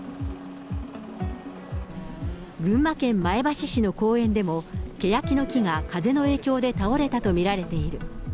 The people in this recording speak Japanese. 群馬県前橋市の公園でも、けやきの木が風の影響で倒れたと見られている。